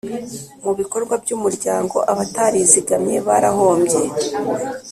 mu bikorwa by umuryango abatarizigamye barahombye